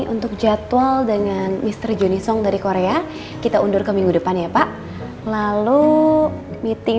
untuk jadwal dengan mr joni song dari korea kita undur ke minggu depan ya pak lalu meeting